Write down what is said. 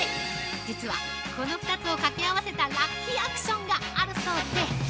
実はこの２つを掛け合わせたラッキーアクションがあるそうで。